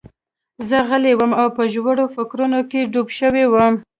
زه غلی وم او په ژورو فکرونو کې ډوب شوی وم